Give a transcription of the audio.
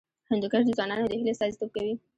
هندوکش د ځوانانو د هیلو استازیتوب کوي.